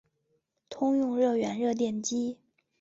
通用热源热电机。